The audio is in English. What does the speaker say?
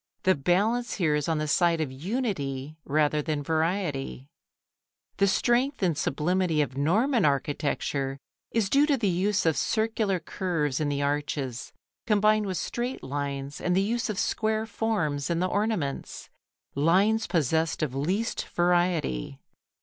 The balance here is on the side of unity rather than variety. The strength and sublimity of Norman architecture is due to the use of circular curves in the arches, combined with straight lines and the use of square forms in the ornaments lines possessed of least variety.